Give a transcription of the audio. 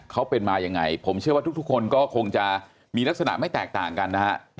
เขาเป็นมายังไงผมเชื่อว่าทุกคนก็คงจะมีลักษณะไม่แตกต่างกันนะฮะ